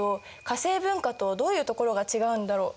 化政文化とどういうところが違うんだろう？